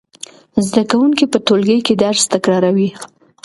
زده کوونکي په ټولګي کې درس تکراروي.